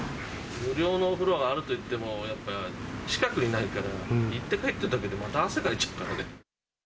無料のお風呂があるといってもやっぱ、近くにないから、行って帰ってくるだけでまた汗かいちゃうからね。